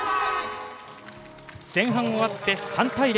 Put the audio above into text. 前半終わって３対０。